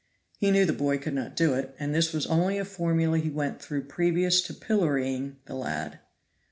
He knew the boy could not do it, and this was only a formula he went through previous to pillorying the lad.